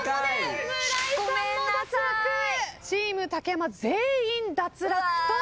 チーム竹山全員脱落となります。